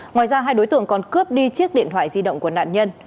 ngoài ra hai đối tượng còn cướp đi chiếc điện thoại di động của nạn nhân